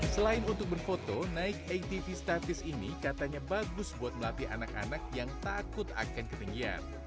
selain untuk berfoto naik atv statis ini katanya bagus buat melatih anak anak yang takut akan ketinggian